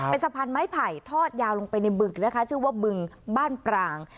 เป็นสะพานไม้ไผ่ทอดยาวลงไปในบึกนะคะชื่อว่าบึงบ้านปราง